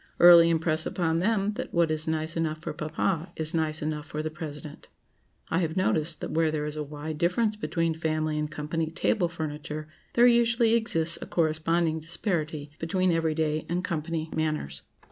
Early impress upon them that what is nice enough for Papa, is nice enough for the President. I have noticed that where there is a wide difference between family and company table furniture, there usually exists a corresponding disparity between every day and company manners.